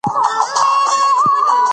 منطق او استدلال وکاروئ.